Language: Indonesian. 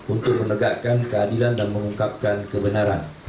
untuk menegakkan keadilan dan mengungkapkan kebenaran